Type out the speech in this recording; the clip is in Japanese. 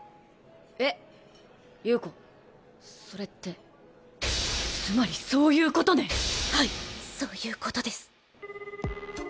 えっ優子それってつまりそういうことね⁉はいそういうことです。